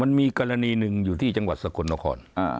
มันมีกรณีหนึ่งอยู่ที่จังหวัดสกลนคร